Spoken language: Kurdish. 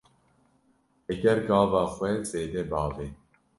Heger gava xwe zêde bavê